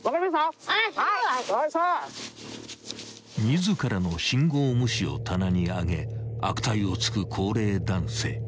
［自らの信号無視を棚に上げ悪態をつく高齢男性］